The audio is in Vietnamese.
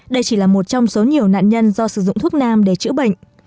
đây chỉ là một trong số nhiều nạn nhân do sử dụng thuốc nam để chữa bệnh